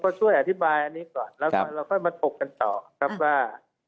ก็ช่วยอธิบายอันนี้ก่อนแล้วก็เราค่อยมาถกกันต่อครับว่า